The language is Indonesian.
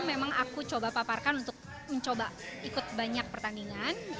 memang aku coba paparkan untuk mencoba ikut banyak pertandingan